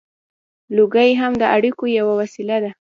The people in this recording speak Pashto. • لوګی هم د اړیکو یوه وسیله وه.